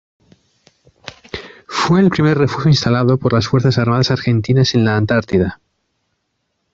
Fue el primer refugio instalado por las Fuerzas Armadas argentinas en la Antártida.